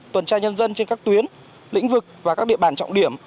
tuần tra nhân dân trên các tuyến lĩnh vực và các địa bàn trọng điểm